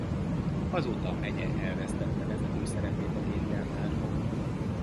Azóta a megye elvesztette vezető szerepét a gépgyártásban.